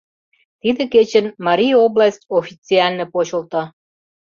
Тиде кечын Марий область официально почылто.